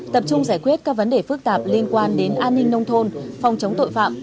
tập trung giải quyết các vấn đề phức tạp liên quan đến an ninh nông thôn phòng chống tội phạm